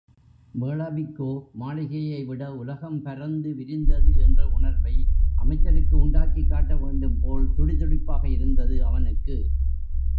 வேளாவிக்கோமாளிகையைவிட உலகம் பரந்தது விரிந்தது என்ற உணர்வை அமைச்சருக்கு உண்டாக்கிக் காட்டவேண்டும் போலத் துடி துடிப்பாக இருந்தது அவனுக்கு.